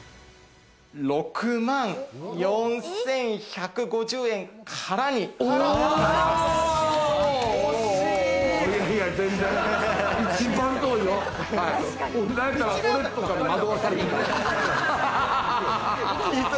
６万４１５０円からになります。